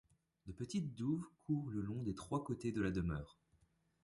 De petites douves courent le long de trois côtés de la demeure.